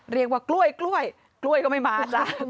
เรียกว่ากล้วยกล้วยกล้วยก็ไม่มาจ้ะ